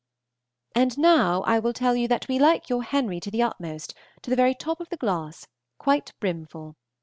And now I will tell you that we like your Henry to the utmost, to the very top of the glass, quite brimful.